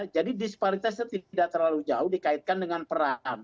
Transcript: jadi disparitasnya tidak terlalu jauh dikaitkan dengan peran ya